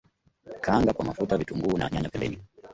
Kaanga kwa mafuta vitunguu na nyanya pembeni